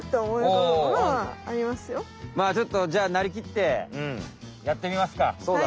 まあちょっとじゃあなりきってやってみますか。